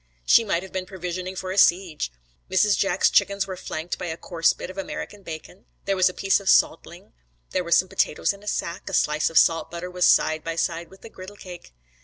She might have been provisioning for a siege. Mrs. Jack's chickens were flanked by a coarse bit of American bacon; here was a piece of salt ling, there some potatoes in a sack; a slice of salt butter was side by side with a griddle cake.